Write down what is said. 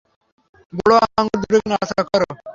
বুড়ো আঙ্গুল দুটোকে নাড়াচাড়া করো!